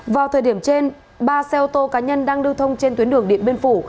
vào thời điểm trên ba xe ô tô cá nhân đang lưu thông trên tuyến đường điện biên phủ